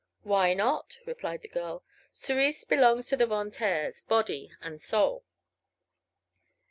"Why not?" replied the girl. "Cerise belongs to the Von Taers body and soul!"